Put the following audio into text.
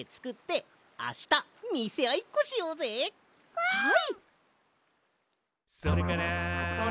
はい！